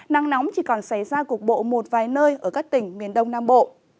nắng nóng chỉ còn xảy ra cục bộ một vài nơi ở các tỉnh miền đông nam bộ